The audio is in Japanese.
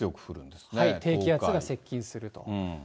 低気圧が接近すると。